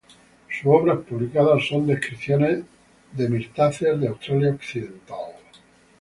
Sus obras publicadas son descripciones de mirtáceas de Australia Occidental.